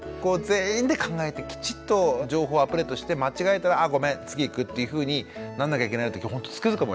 全員で考えてきちっと情報をアップデートして間違えたら「あごめん」次へ行くっていうふうになんなきゃいけないってほんとつくづく思いました。